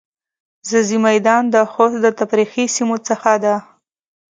ځاځی میدان د خوست د تفریحی سیمو څخه ده.